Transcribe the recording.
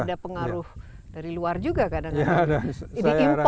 mungkin karena ada pengaruh